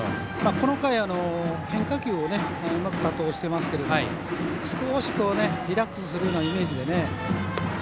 この回、変化球をうまく多投していますけど少しリラックスするようなイメージで。